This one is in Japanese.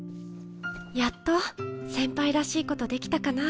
やっと先輩らしいことできたかな。